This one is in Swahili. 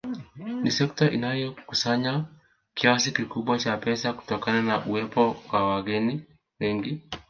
Ni sekta inayokusanya kiasi kikubwa cha pesa kutokana na uwepo wa wageni wengi